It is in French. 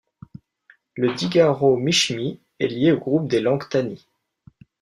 Le digaro-mishmi est lié au groupe des langues tani.